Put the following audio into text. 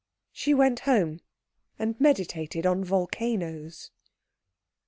She went home and meditated on volcanoes.